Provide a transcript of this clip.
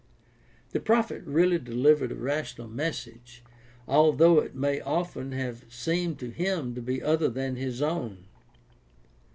The prophet really delivered a rational message, although it may often have seemed to him to be other than his own.